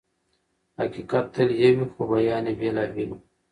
حقيقت تل يو وي خو بيان يې بېلابېل وي.